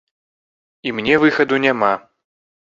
І мне выхаду няма.